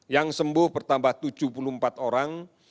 yang sembuh bertambah tujuh puluh empat orang